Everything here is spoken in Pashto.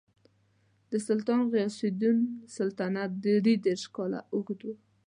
د سلطان غیاث الدین سلطنت درې دېرش کاله اوږد و.